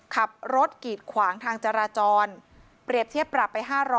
ขับรถกีดขวางทางจราจรเปรียบเทียบปรับไป๕๐๐